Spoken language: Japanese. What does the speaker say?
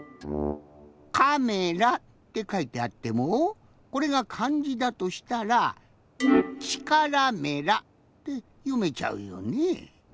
「カメラ」ってかいてあってもこれがかんじだとしたら「力メラ」ってよめちゃうよねえ。